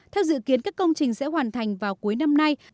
theo dự kiến các công trình sẽ hoàn thành vào cuối năm nay